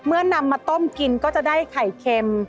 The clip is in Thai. นำมาต้มกินก็จะได้ไข่เค็ม